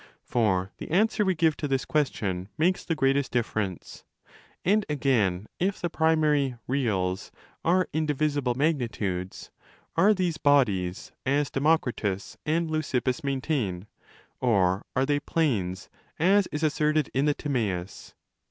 For the answer we give to this question makes the greatest difference. And again, if the primary 30 ' reals' are indivisible magnitudes, are these bodies, as Demo kritos and Leukippos maintain? Or are they planes, as is asserted in the Z7zmaeus?